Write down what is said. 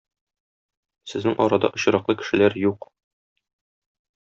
Сезнең арада очраклы кешеләр юк.